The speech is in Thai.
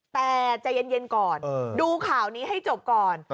แต่ใจเย็นก่อนดูข่าวนี้ให้จบก่อน